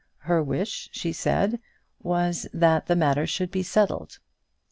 Her wish, she said, was, that the matter should be settled.